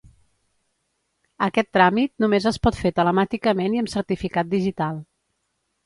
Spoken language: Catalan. Aquest tràmit només es pot fer telemàticament i amb certificat digital.